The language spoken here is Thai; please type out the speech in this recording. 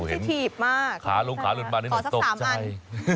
เห็นหัวขาหลุดมาร่วมด้วย